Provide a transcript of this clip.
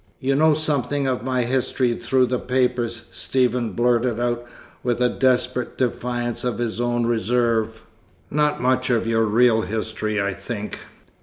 "You know something of my history through the papers," Stephen blurted out with a desperate defiance of his own reserve. "Not much of your real history, I think.